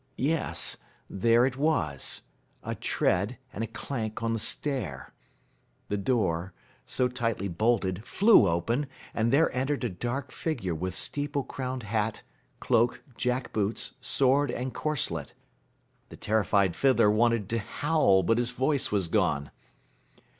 Yes, there it was: a tread and a clank on the stair. The door, so tightly bolted, flew open, and there entered a dark figure with steeple crowned hat, cloak, jack boots, sword, and corselet. The terrified fiddler wanted to howl, but his voice was gone.